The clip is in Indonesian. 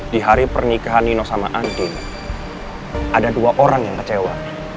di hari pernikahan nino sama andin ada dua orang yang kecewa